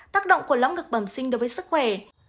tác động của lõng ngực bẩm sinh đối với sức khỏe